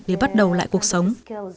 để bắt đầu lại cuộc sống